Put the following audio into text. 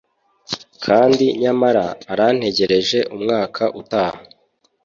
kandi nyamara arantegereje umwaka utaha